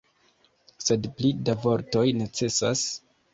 Sed pli da vortoj necesas?